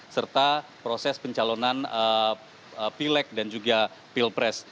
serta proses pencalonan pilek dan juga pilpres